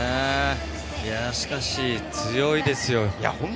しかし強いですよ。